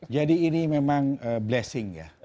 jadi ini memang blessing ya